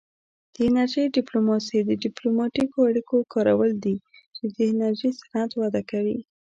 د انرژۍ ډیپلوماسي د ډیپلوماتیکو اړیکو کارول دي چې د انرژي صنعت وده کوي